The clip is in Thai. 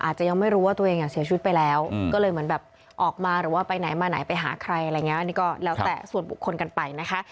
อาจจะยังไม่รู้ว่าตัวเองเสียชีวิตไปแล้วก็เลยเหมือนแบบออกมาหรือว่าไปไหนมาไหนไปหาใครอะไรอย่างนี้อันนี้ก็แล้วแต่ส่วนบุคคลกันไปนะคะ